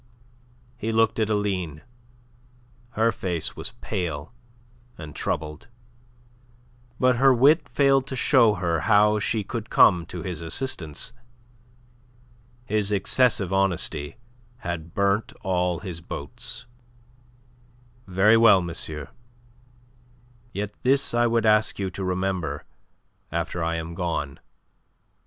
He looked at Aline. Her face was pale and troubled; but her wit failed to show her how she could come to his assistance. His excessive honesty had burnt all his boats. "Very well, monsieur. Yet this I would ask you to remember after I am gone.